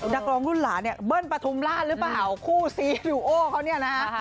นักร้องรุ่นหลานเนี่ยเบิ้ลปฐุมราชหรือเปล่าคู่ซีดูโอเขาเนี่ยนะฮะ